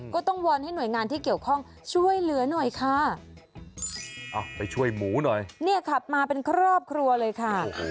วอนให้หน่วยงานที่เกี่ยวข้องช่วยเหลือหน่อยค่ะเอาไปช่วยหมูหน่อยเนี่ยขับมาเป็นครอบครัวเลยค่ะ